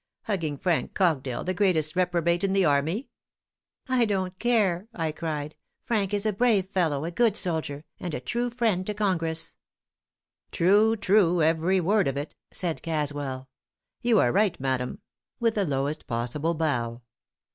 Hugging Frank Cogdell, the greatest reprobate in the army? ' "'I don't care,' I cried. 'Frank is a brave fellow, a good soldier, and a true friend to Congress.' "'True, true! every word of it!' said Caswell. 'You are right, madam!' with the lowest possible bow.